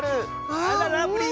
あらラブリー。